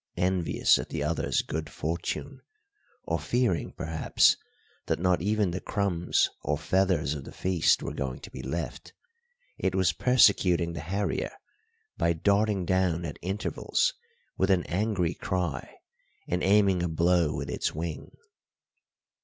Envious at the other's good fortune, or fearing, perhaps, that not even the crumbs or feathers of the feast were going to be left, it was persecuting the harrier by darting down at intervals with an angry cry and aiming a blow with its wing.